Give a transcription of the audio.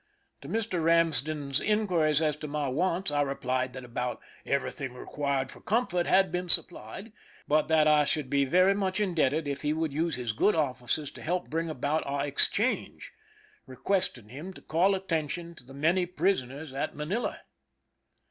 To Mr. Ramsden's inquiries as to my wants I replied that about everything required for comfort had been supplied, but that I should be very much indebted if he would use his good offices to help bring about our exchange, requesting him to call attention to the many prisoners at Manila.